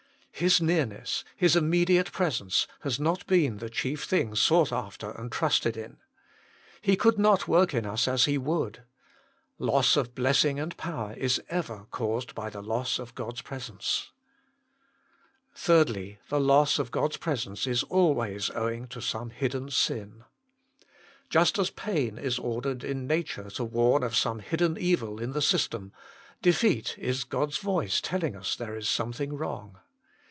His nearness, His immediate presence, has not been the chief thing sought after and trusted in. He could not work in us as He would. Loss of bless ing and power is ever caused by the loss of God s presence. 3. The loss of God s presence is always owing to some hidden sin. Just as pain is ordered in nature to warn of some hidden evil in the system, defeat is God s voice telling us there is something wrong.